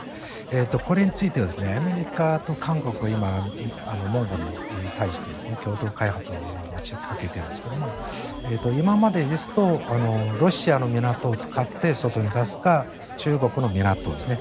これについてはアメリカと韓国は今、モンゴルに対して共同開発を持ちかけているんですが今までですとロシアの港を使って外に出すか、中国の港ですね